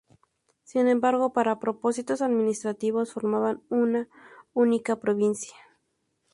Sin embargo, para propósitos administrativos formaban una única provincia.